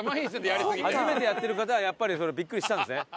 初めてやってる方はやっぱりビックリしちゃうんですね。